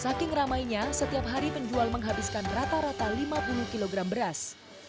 saking ramainya setiap hari penjual menghabiskan rata rata lima puluh kg beras